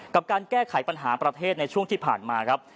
กับการแก้ไขปัญหาประเทศในช่วงที่ผ่านมาครับ